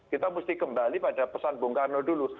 kita mesti kembali pada pesan bung karno dulu